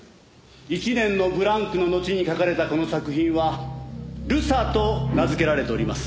１年のブランクののちに描かれたこの作品は『流砂』と名付けられております。